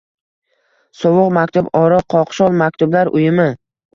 Sovuq maktub, oriq, qoqshol maktublar uyumi…